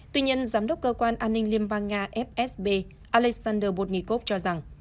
tuy nhiên giám đốc cơ quan an ninh liên bang nga fsb alexander bonnikov cho rằng